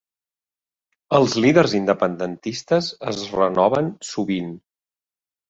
Els líders independentistes es renoven sovint.